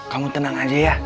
kamu tenang aja ya